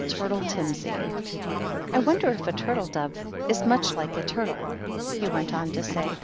217 I wonder if a turtle dove is much like a tur tle," he went on to say.